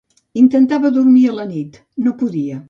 Intentava dormir a la nit, no podia.